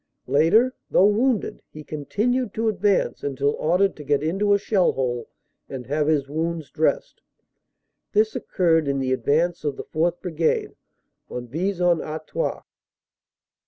Later, though wounded, he continued to advance until ordered to get into a shell hole and have his wounds dressed. This occurred in the advance of the 4th Brigade on Vis en Artois.